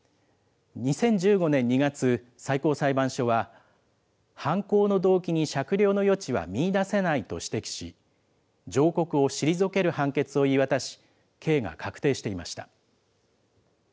２０１５年２月、最高裁判所は、犯行の動機に酌量の余地は見いだせないと指摘し、上告を退ける判決を言い渡し、刑が確定していました。